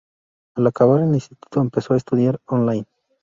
Al acabar el instituto empezó a estudiar on-line.